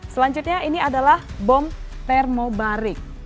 selanjutnya ini adalah bom termobarik